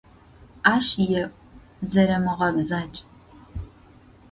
Ащ еӀу, зерэмыгъэбзадж.